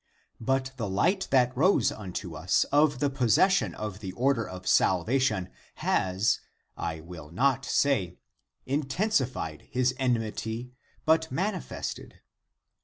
But the light that rose unto us of the possession of the order of salvation has, I will not say < intensified his enmity, but manifested